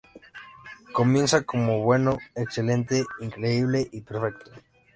Comienza como "bueno", "excelente", "increíble" y "perfecto".